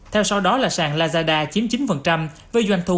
theo sau đó là sàn lazada chiếm chín với doanh thu hai năm